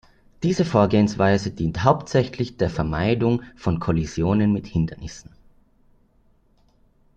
Diese Vorgehensweise dient hauptsächlich der Vermeidung von Kollisionen mit Hindernissen.